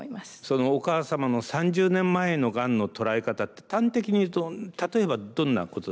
そのお母様の３０年前のがんの捉え方って端的に言うと例えばどんなことです？